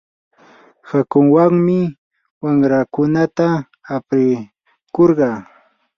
hakuwanmi wamraakunata aprikurqaa.